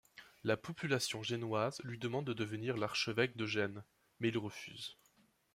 La population génoise lui demande de devenir l'archevêque de Gênes, mais il refuse.